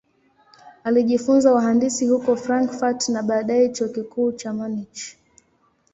Alijifunza uhandisi huko Frankfurt na baadaye Chuo Kikuu cha Munich.